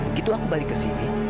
begitu aku balik kesini